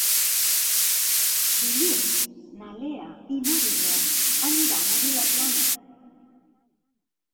Dilluns na Lea i na Vinyet aniran a Vilaplana.